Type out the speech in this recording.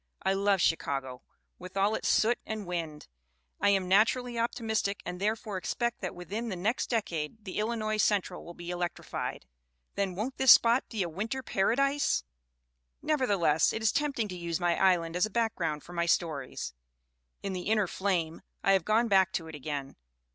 I love Chicago, with all its soot and wind. I am naturally optimistic, and therefore expect that within the next decade the Illinois Central will be electrified. Then won't this spot be a winter paradise ? "Nevertheless, it is tempting to use rny island as a background for my stories. In The Inner Flame I have gone back to it again.